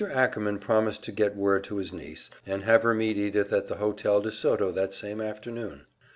Ackerman promised to get word to his niece, and have her meet Edythe at the Hotel de Soto that same afternoon.